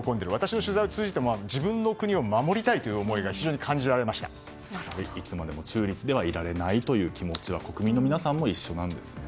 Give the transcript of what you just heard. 私の取材を通じても自分の国を守りたい思いがいつまでも中立ではいられないという気持ち国民の皆さんも一緒なんですね。